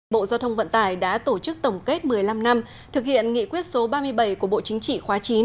bộ giao thông vận tải đã tổ chức tổng kết một mươi năm năm thực hiện nghị quyết số ba mươi bảy của bộ chính trị khóa chín